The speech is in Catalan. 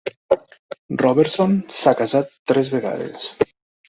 Robertson s'ha casat tres vegades.